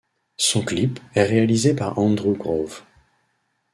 Son clip est réalisé par Andrew Groves.